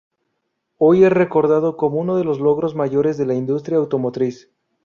Hoy es recordado como uno de los logros mayores de la industria automotriz.